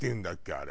あれ。